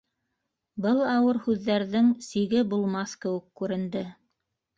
Был ауыр һүҙҙәрҙең сиге булмаҫ кеүек күренде.